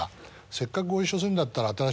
せっかくご一緒するんだったら。